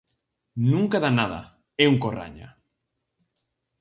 Nunca dá nada, é un corraña.